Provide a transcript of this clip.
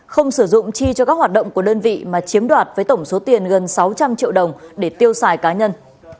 không sử dụng chi cho các hoạt động của đơn vị mà chiếm đoạt với tổng số tiền gần sáu trăm linh triệu đồng để tiêu xài cá nhân